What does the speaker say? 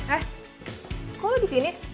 eh kok lo disini